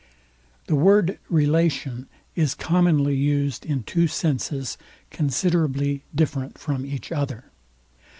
The word RELATION is commonly used in two senses considerably different from each other.